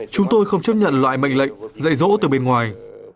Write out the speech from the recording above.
chúng tôi không chấp nhận loại mệnh lệnh dạy dỗ từ bên ngoài